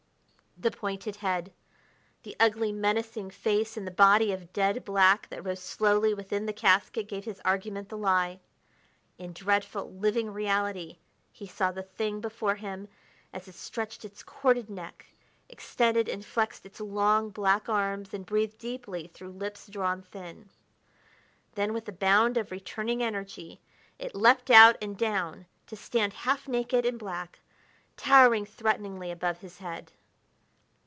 The pointed head, the ugly, menacing face and the body of dead black that rose slowly within the casket gave his argument the lie. In dreadful, living reality he saw the thing before him as it stretched its corded neck, extended and flexed its long, black arms and breathed deeply through lips drawn thin. Then, with a bound of returning energy, it leaped out and down to stand half naked and black, towering threateningly above his head.